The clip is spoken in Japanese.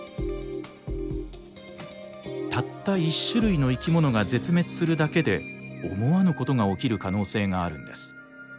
たった１種類の生きものが絶滅するだけで思わぬことが起きる可能性があるんです。